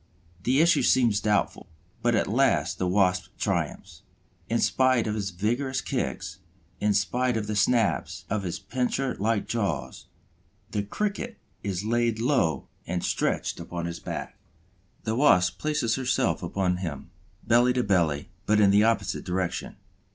The issue seems doubtful. But at last the Wasp triumphs. In spite of his vigorous kicks, in spite of the snaps of his pincer like jaws, the Cricket is laid low and stretched upon his back. The Wasp places herself upon him, belly to belly, but in the opposite direction.